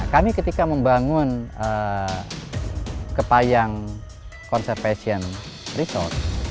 kami ketika membangun kepayang konservation resort